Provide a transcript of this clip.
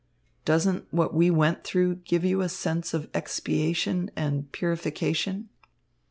Doesn't what we went through give you a sense of expiation and purification?"